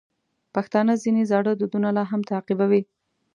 پښتانه ځینې زاړه دودونه لا هم تعقیبوي.